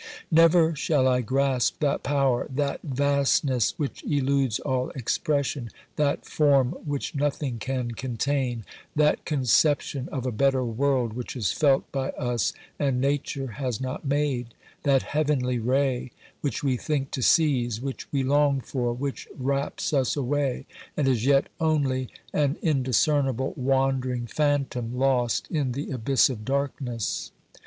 Never shall I grasp that power ; that vastness which eludes all expression ; that form which nothing can contain ; that conception of a better world, which is felt by us and Nature has not made ; that heavenly ray, which we think to seize, which we long for, which wraps us away, and is yet only an indiscernible, wandering phantom, lost in the abyss of darkness.